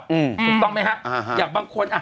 ถูกต้องไหมฮะอย่างบางคนอ่ะ